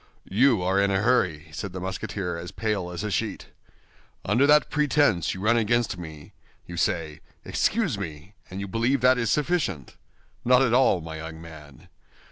"You are in a hurry?" said the Musketeer, as pale as a sheet. "Under that pretense you run against me! You say, 'Excuse me,' and you believe that is sufficient? Not at all, my young man.